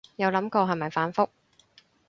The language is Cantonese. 有諗過係咪反覆